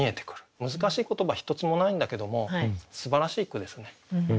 難しい言葉一つもないんだけどもすばらしい句ですね。